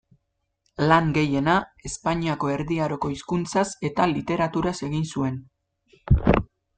Lan gehiena Espainiako Erdi Aroko hizkuntzaz eta literaturaz egin zuen.